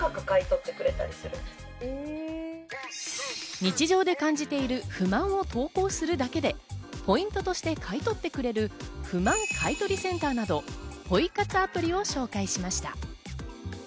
日常で感じている不満を投稿するだけでポイントとして買い取ってくれる不満買取センターなどポイ活アプリを紹介しました。